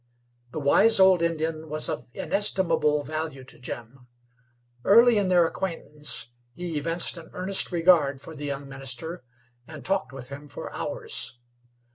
The wise old Indian was of inestimable value to Jim. Early in their acquaintance he evinced an earnest regard for the young minister, and talked with him for hours.